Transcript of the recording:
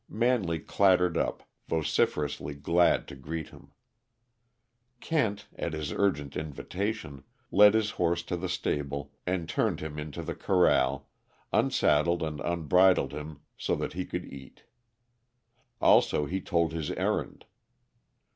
Manley clattered up, vociferously glad to greet him. Kent, at his urgent invitation, led his horse to the stable and turned him into the corral, unsaddled and unbridled him so that he could eat. Also, he told his errand.